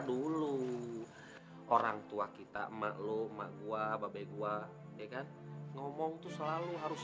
dulu orang tua kita emak lo mak gua babe gua ya kan ngomong tuh selalu harus